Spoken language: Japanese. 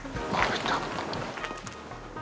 いた！